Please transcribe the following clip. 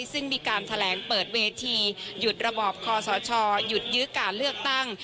ซึ่งมีการแถลงเปิดเวทีหยุดระบอบคอสชหยุดยื้อการเลือกตั้ง